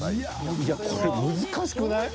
いやこれ難しくない？